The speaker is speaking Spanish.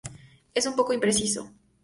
Es un poco impreciso".